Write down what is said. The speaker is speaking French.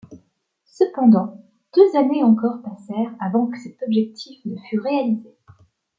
Cependant, deux années encore passèrent avant que cet objectif ne fût réalisé.